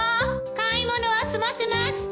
買い物は済ませました！